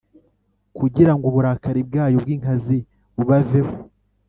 kugira ngo uburakari bwayo bw inkazi bubaveho